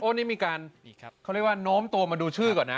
นี่มีการเขาเรียกว่าโน้มตัวมาดูชื่อก่อนนะ